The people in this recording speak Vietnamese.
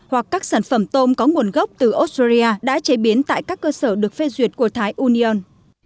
hoặc các sản phẩm tôm có nguồn gốc từ australia đã chế biến tại các cơ sở được phê duyệt của thái union